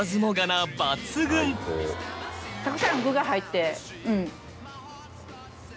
たくさん具が入って。